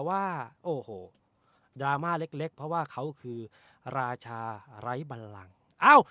ว่าโอ้โหดราม่าเล็กเพราะว่าเขาคือราชาไร้บันลังเอ้า